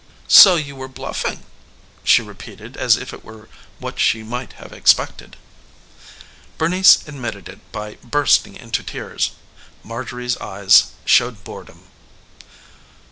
"So you were bluffing," she repeated as if it were what she might have expected. Bernice admitted it by bursting into tears. Marjorie's eyes showed boredom.